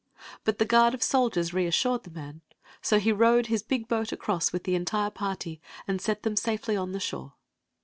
But the guard of soldiers reassured the man ; so he rowed his big boat across with the entire party, and set them safely on the ' shore.